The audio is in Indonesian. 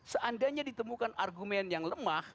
seandainya ditemukan argumen yang lemah